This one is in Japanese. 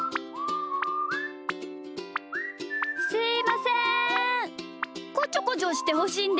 すいません。